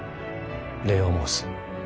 礼を申す。